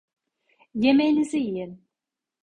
Yemeğinizi yiyin.